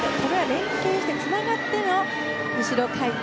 連係してつながっての後ろ回転。